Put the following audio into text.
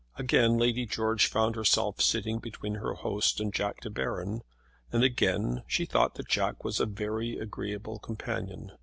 Again Lady George found herself sitting between her host and Jack De Baron, and again she thought that Jack was a very agreeable companion.